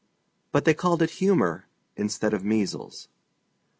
But they called it humor instead of measles.